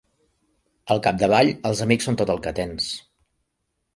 Al capdavall, els amics són tot el que tens.